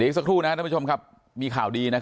แล้วคุณแม่บอกลูก๓คนนะคะพี่ชายของน้องฟาในอายุ๑๘อยู่ม๖